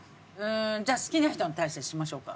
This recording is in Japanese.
じゃあ好きな人に対してにしましょうか。